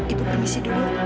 ibu permisi dulu non